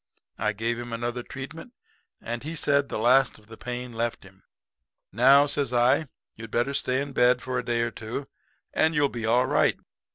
I gave him another treatment, and he said the last of the pain left him. "'Now,' says I, 'you'd better stay in bed for a day or two, and you'll be all right.